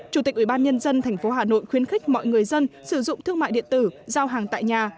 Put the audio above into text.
chủ tịch ubnd tp hà nội khuyến khích mọi người dân sử dụng thương mại điện tử giao hàng tại nhà